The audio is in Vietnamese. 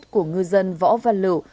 của ngư dân võ văn lự